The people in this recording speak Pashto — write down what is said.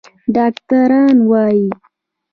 ډاکتران وايي